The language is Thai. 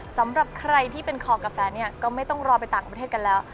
สำหรับใครที่เป็นคอกาแฟเนี่ยก็ไม่ต้องรอไปต่างประเทศกันแล้ว